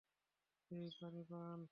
এই, পানি আন।